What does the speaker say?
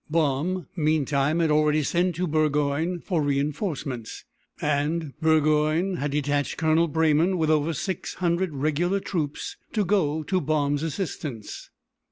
Baum meantime had already sent to Burgoyne for reinforcements, and Burgoyne had detached Colonel Breymann with over six hundred regular troops to go to Baum's assistance.